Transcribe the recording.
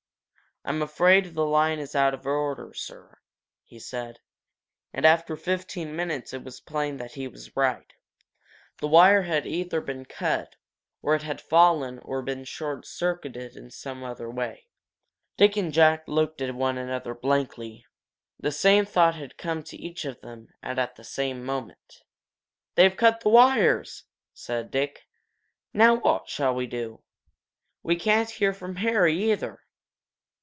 "I'm afraid the line is out of order, sir," he said. And after fifteen minutes it was plain that he was right. The wire had either been cut or it had fallen or been short circuited in some other way. Dick and Jack looked at one another blankly. The same thought had come to each of them, and at the same moment. "They've cut the wires!" said Dick. "Now what shall we do? We can't hear from Harry, either!"